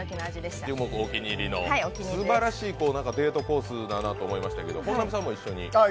すばらしいデートコースだなと思いましたけど本並さんも一緒に？